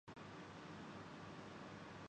معمول کے یونیکوڈ کی چھٹائی کریں